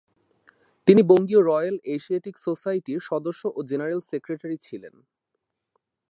তিনি বঙ্গীয় royal Asiatic সোসাইটির সদস্য ও জেনারেল সেক্রেটারি ছিলেন।